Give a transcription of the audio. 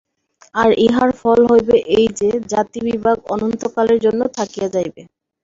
আর ইহার ফল হইবে এই যে, জাতিবিভাগ অনন্তকালের জন্য থাকিয়া যাইবে।